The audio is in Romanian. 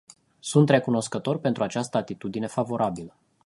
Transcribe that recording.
Sunt recunoscător pentru această atitudine favorabilă.